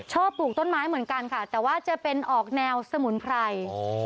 ปลูกต้นไม้เหมือนกันค่ะแต่ว่าจะเป็นออกแนวสมุนไพร